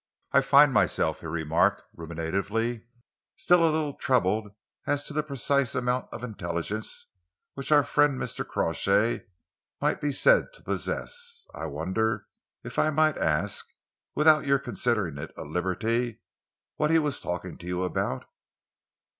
"I find myself," he remarked ruminatively, "still a little troubled as to the precise amount of intelligence which our friend Mr. Crawshay might be said to possess. I wonder if I might ask; without your considering it a liberty, what he was talking to you about?"